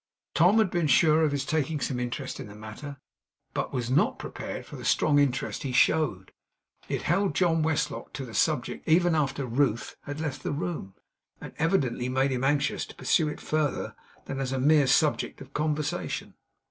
Tom had been sure of his taking some interest in the matter; but was not prepared for the strong interest he showed. It held John Westlock to the subject even after Ruth had left the room; and evidently made him anxious to pursue it further than as a mere subject of conversation.